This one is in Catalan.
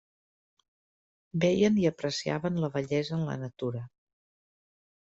Veien i apreciaven la bellesa en la natura.